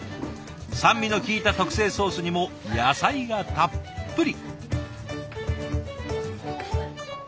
酸味のきいた特製ソースにも野菜がたっぷり。